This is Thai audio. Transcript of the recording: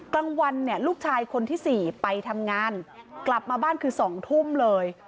กลางวันเนี่ยลูกชายคนที่๔ไปทำงานกลับมาบ้านคือ๒ทุ่มเลย